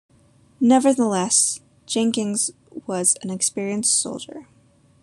Nevertheless, Jenkins was an experienced soldier.